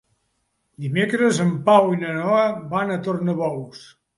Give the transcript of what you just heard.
Dimecres en Pau i na Noa van a Tornabous.